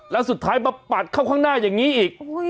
แล้วสุดท้ายมาปัดเข้าข้างหน้าอย่างนี้อีก